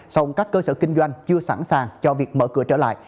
song các cơ sở kinh doanh chưa sẵn sàng cho việc mở cửa trở lại